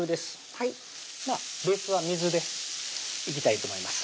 はいベースは水でいきたいと思います